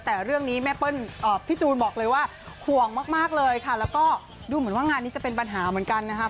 แต่เรื่องนี้แม่เปิ้ลพี่จูนบอกเลยว่าห่วงมากเลยค่ะแล้วก็ดูเหมือนว่างานนี้จะเป็นปัญหาเหมือนกันนะครับ